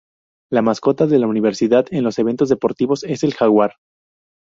La mascota de la universidad en los eventos deportivos es el jaguar.